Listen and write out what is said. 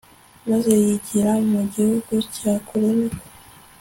maze yigira mu gihugu cya kure, niko